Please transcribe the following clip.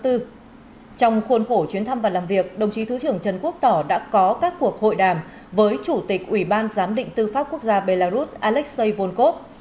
trong khuôn khổ chuyến thăm và làm việc đồng chí thứ trưởng trần quốc tỏ đã có các cuộc hội đàm với chủ tịch ủy ban giám định tư pháp quốc gia belarus alexei volkov